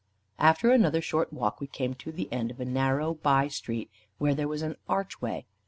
After another short walk, we came to the end of a narrow by street, where there was an archway.